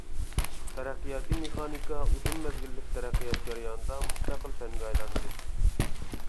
تەرەققىياتى مېخانىكا ئۇزۇن مەزگىللىك تەرەققىيات جەريانىدا مۇستەقىل پەنگە ئايلاندى.